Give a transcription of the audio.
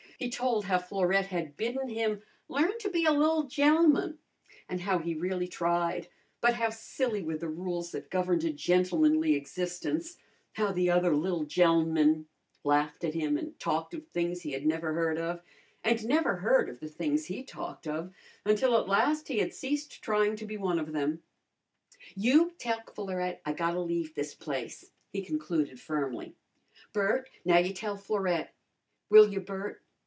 He told how Florette had bidden him "learn to be a li'l gem'mum," and how he really tried; but how silly were the rules that governed a gentlemanly existence; how the other li'l gem'mum laughed at him, and talked of things he had never heard of, and never heard of the things he talked of, until at last he had ceased trying to be one of them. "You tell Florette I gotta leave this place," he concluded firmly. "Bert, now you tell Florette. Will you, Bert?